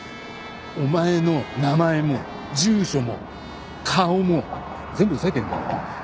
お前の名前も住所も顔も全部押さえてんだからな。